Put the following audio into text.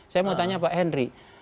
saya mau tanya pak henry